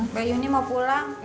mbak yuni mau pulang